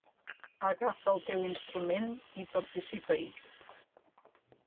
Agafa el teu instrument i participa-hi!